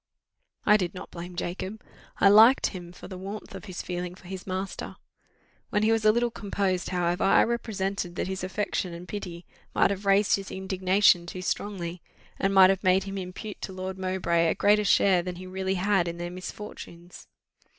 I did not blame Jacob I liked him for the warmth of his feeling for his master. When he was a little composed, however, I represented that his affection and pity might have raised his indignation too strongly, and might have made him impute to Lord Mowbray a greater share than he really had in their misfortunes.